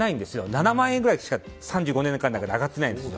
７万円ぐらいしか３５年間で上がってないんです。